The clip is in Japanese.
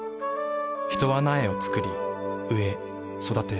ヒトは苗を作り植え育てる。